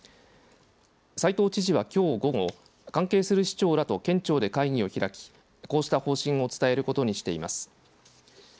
斎藤知事は、きょう午後関係する市長らと県庁で会議を開きこうした方針を伝えることにしています。